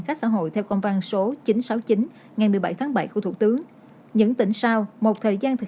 cách xã hội theo công văn số chín trăm sáu mươi chín ngày một mươi bảy tháng bảy của thủ tướng những tỉnh sau một thời gian thực